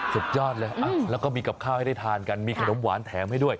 สุดยอดเลยแล้วก็มีกับข้าวให้ได้ทานกันมีขนมหวานแถมให้ด้วย